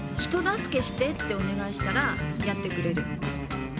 「人助けして」ってお願いしたらやってくれる。